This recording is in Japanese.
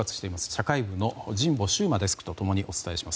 社会部の神保修麻デスクとお伝えします。